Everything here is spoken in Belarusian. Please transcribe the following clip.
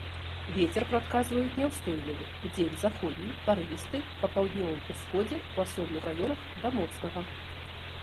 Вецер прадказваюць няўстойлівы, удзень заходні, парывісты, па паўднёвым усходзе ў асобных раёнах да моцнага.